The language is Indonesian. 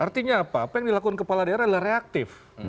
artinya apa apa yang dilakukan kepala daerah adalah reaktif